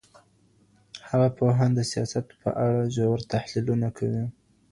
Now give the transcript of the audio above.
هغه پوهان د سياست په اړه ژور تحليلونه کوي.